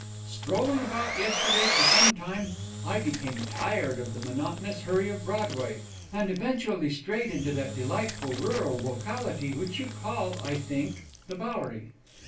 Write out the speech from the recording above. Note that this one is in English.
Strolling about yesterday for some time, I became tired of the monotonous hurry of Broadway, and eventually strayed into that delightful rural locality which you call, I think, the Bowery.